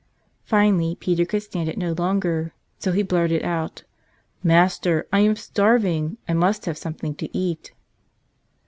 Finally Peter could stand it no longer, so he blurted out: "Master, I am starving; I must have something to eat!"